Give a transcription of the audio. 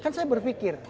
kan saya berfikir